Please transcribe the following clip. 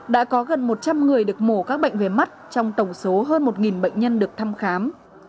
đã có gần một trăm linh người được mổ các bệnh về mắt trong tổng số hơn một bệnh nhân được thăm khám